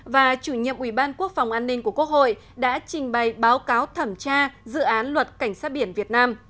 và chủ nhiệm ủy ban quốc phòng an ninh của quốc hội đã trình bày báo cáo thẩm tra dự án luật cảnh sát biển việt nam